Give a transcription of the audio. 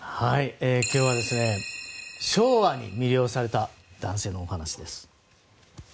今日は、昭和に魅了された男性のお話です。